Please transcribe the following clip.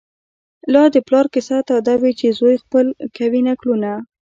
لا د پلار کیسه توده وي چي زوی خپل کوي نکلونه